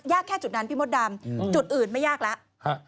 แค่จุดนั้นพี่มดดำจุดอื่นไม่ยากแล้ว